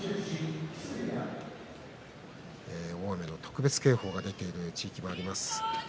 大雨の特別警報が出ている地域もあります。